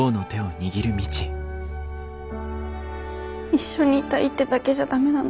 一緒にいたいってだけじゃ駄目なの？